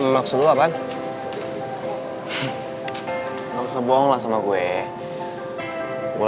buang perhatian dragos